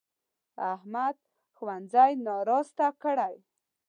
احمد ښوونځی ناراسته کړی.